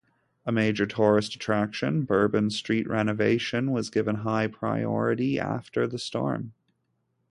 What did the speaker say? A major tourist attraction, Bourbon Street renovation was given high priority after the storm.